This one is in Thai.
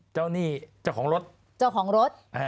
เจ้าหนี้เจ้าของรถ